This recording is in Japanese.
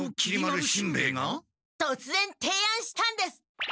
とつぜんていあんしたんです。